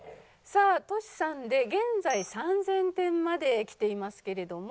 さあトシさんで現在３０００点まできていますけれども。